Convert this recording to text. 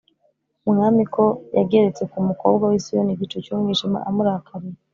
Umwami ko yageretse ku mukobwa w’i Siyoni igicu cy’umwijima amurakariye,